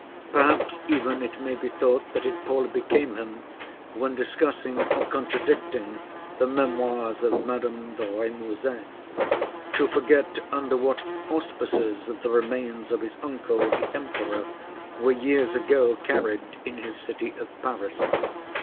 Perhaps even it may be thought that it poorly became him, when discussing or contradicting the 'Memoirs of Madame de Rémusat,' to forget under what auspices the remains of his uncle, the Emperor, were years ago carried in his city of Paris.